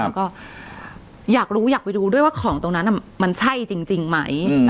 แล้วก็อยากรู้อยากไปดูด้วยว่าของตรงนั้นมันใช่จริงไหม